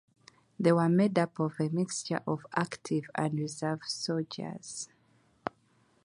They were made up of a mixture of active and reserve soldiers.